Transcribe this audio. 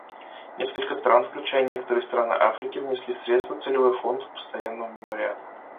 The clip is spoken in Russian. Несколько стран, включая некоторые страны Африки, внесли средства в Целевой фонд постоянного мемориала.